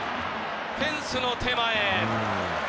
フェンスの手前。